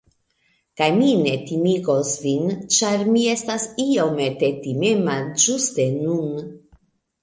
Kaj mi ne timigos vin ĉar mi estas iomete timema ĝuste nun.